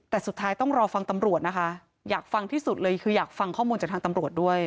แต่สุดท้ายต้องรอฟังตำรวจนะคะอยากฟังที่สุดเลยคืออยากฟังข้อมูลจากทางตำรวจด้วย